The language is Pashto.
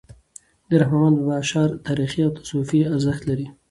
د رحمان بابا اشعار تاریخي او تصوفي ارزښت لري .